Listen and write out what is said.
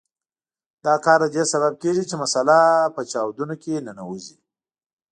دا کار د دې سبب کیږي چې مساله په چاودونو کې ننوځي.